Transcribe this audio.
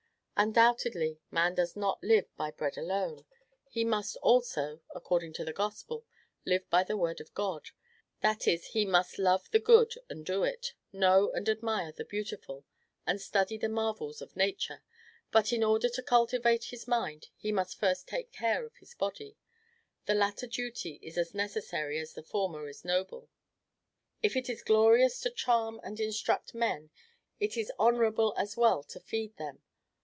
Undoubtedly, man does not live by bread alone; he must, also (according to the Gospel), LIVE BY THE WORD OF GOD; that is, he must love the good and do it, know and admire the beautiful, and study the marvels of Nature. But in order to cultivate his mind, he must first take care of his body, the latter duty is as necessary as the former is noble. If it is glorious to charm and instruct men, it is honorable as well to feed them.